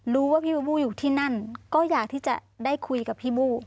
รู้ว่าพี่บูบูอยู่ที่นั่นก็อยากที่จะได้คุยกับพี่บู